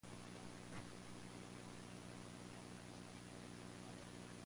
The station's owner is appealing the decision.